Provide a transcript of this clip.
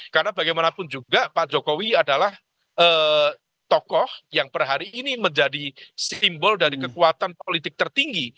karena bagaimanapun juga pak jokowi adalah tokoh yang per hari ini menjadi simbol dari kekuatan politik tertinggi